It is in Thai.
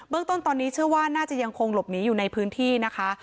ต้นตอนนี้เชื่อว่าน่าจะยังคงหลบหนีอยู่ในพื้นที่นะคะ